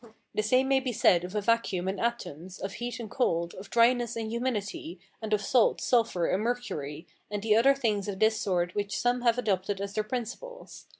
The same may be said of a vacuum and atoms, of heat and cold, of dryness and humidity, and of salt, sulphur, and mercury, and the other things of this sort which some have adopted as their principles.